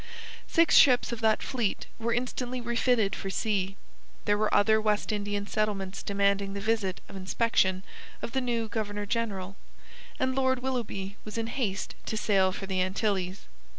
Six ships of that fleet were instantly refitted for sea. There were other West Indian settlements demanding the visit of inspection of the new Governor General, and Lord Willoughby was in haste to sail for the Antilles.